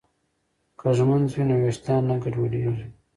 که ږمنځ وي نو ویښتان نه ګډوډیږي.